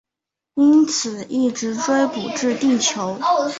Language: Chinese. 因此一直追捕至地球。